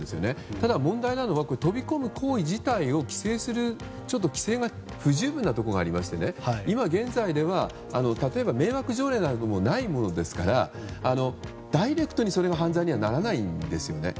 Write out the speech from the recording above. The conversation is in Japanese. ただ、問題なのは飛び込む行為自体を規制する規制が不十分なところがありまして現在では迷惑条例などもないものですからダイレクトにそれが犯罪にはならないんですね。